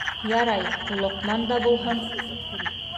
Ярай, Лоҡман да булһын!